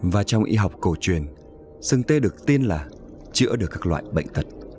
và trong y học cổ truyền sừng tê được tin là chữa được các loại bệnh tật